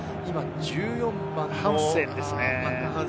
１４番のハンセンですね。